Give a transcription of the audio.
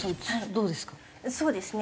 どうですか？